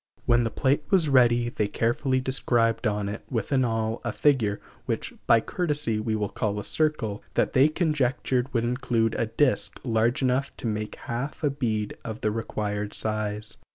When the plate was ready they carefully described on it, with an awl, a figure (which, by courtesy, we will call a circle) that they conjectured would include a disk large enough to make half a bead of the required size.